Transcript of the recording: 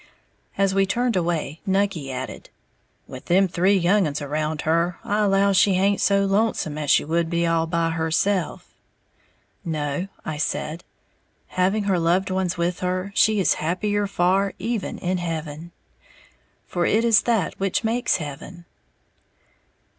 As we turned away, Nucky added, "With them three young uns around her, I allow she haint so lonesome as she would be all by herself." "No," I said, "having her loved ones with her, she is happier far, even in heaven. For it is that which makes heaven."